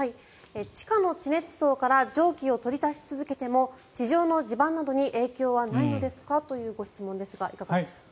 地下の地熱層から蒸気を取り出し続けても地上の地盤などに影響はないのですかというご質問ですがいかがでしょう。